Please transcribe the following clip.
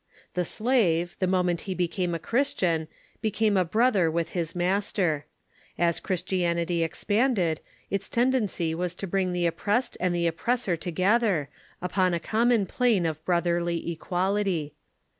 The slave, the moment he became a Christian, became a brother with his master. As Christianity expanded, its tendency was to bring the oppressed and the oppressor to gether, uj)on a common plane of brotherly equality.